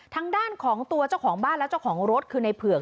ทางด้านของตัวเจ้าของบ้านและเจ้าของรถคือในเผือก